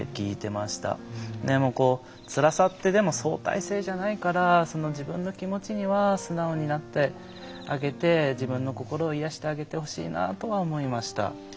でもつらさって相対性じゃないから自分の気持ちには素直になってあげて自分の心を癒やしてあげてほしいなとは思いました。